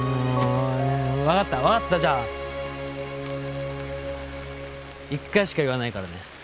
分かった分かったじゃあ一回しか言わないからね？